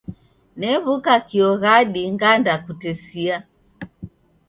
New'uka kio ghadi ngandakutesia.